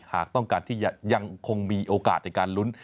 หากต้องการที่ยังคงมีโอกาสในการลุ้น